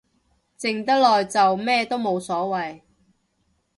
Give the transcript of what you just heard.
靜得耐就咩都冇所謂